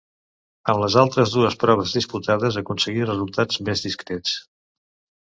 En les altres dues proves disputades aconseguí resultats més discrets.